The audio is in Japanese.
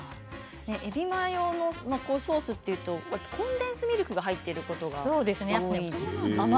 えびマヨのソースというとコンデンスミルクが入っていたりしますよね。